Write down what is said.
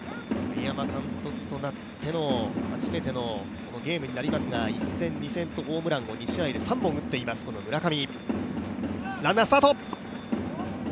栗山監督となっての初めてのゲームになりますが１戦、２戦とホームランを２試合で３本打っています、村上。